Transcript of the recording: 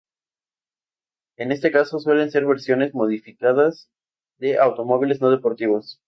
En este caso, suelen ser versiones modificadas de automóviles no deportivos.